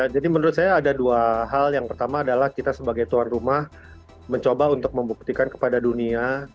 jadi menurut saya ada dua hal yang pertama adalah kita sebagai tuan rumah mencoba untuk membuktikan kepada dunia